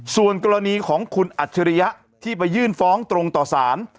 ส่วนกรณีของคุณอัจฉริยะที่ไปยื่นฟ้องตรงต่อสาร